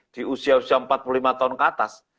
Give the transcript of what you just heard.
di usia usia empat puluh lima tahun ke atas